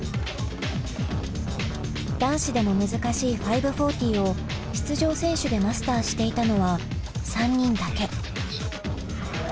男子でも難しい５４０を出場選手でマスターしていたのは３人だけ。